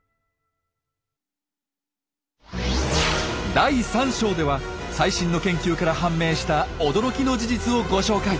第３章では最新の研究から判明した驚きの事実をご紹介！